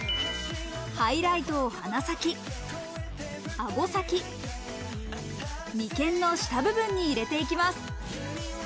ハイライトを鼻先、あご先、眉間の下部分に入れていきます。